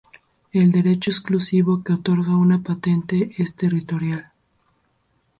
El derecho exclusivo que otorga una patente es territorial.